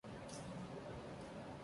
Sears is a graduate of Oberlin College.